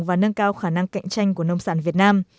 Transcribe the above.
và nâng cao khả năng cạnh tranh của nông sản việt nam